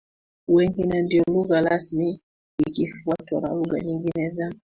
wengi na ndiyo lugha rasmi ikifuatwa na lugha nyingine za